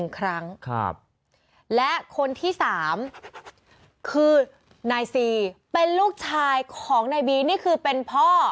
๑ครั้งครับและคนที่๓คือนาย๔เป็นลูกชายของนายบีนนี่คือเป็นพ่อ